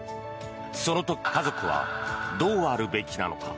その時、家族はどうあるべきなのか。